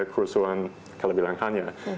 kerusuhan kalau bilang hanya